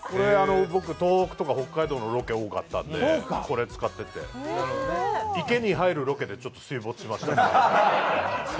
東北とか北海道のロケが多かったんで、これ使ってて、池に入るロケで水没しましたね。